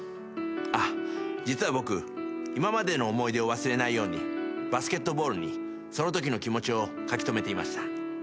あっ実は僕今までの思い出を忘れないようにバスケットボールにそのときの気持ちを書き留めていました。